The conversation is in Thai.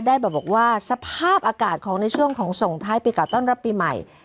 บอกว่าสภาพอากาศของในช่วงของส่งท้ายปีเก่าต้อนรับปีใหม่